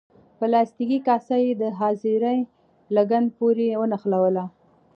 پلاستیکي کاسه یې د خاصرې لګن پورې ونښلوله.